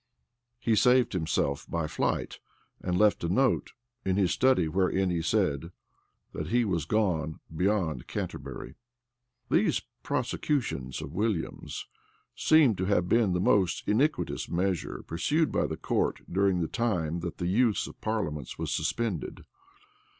He saved himself by flight; and left a note in his study, wherein he said, "that he was gone beyond Canterbury."[*] These prosecutions of Williams seem to have been the most iniquitous measure pursued by the court during the time that the use of parliaments was suspended.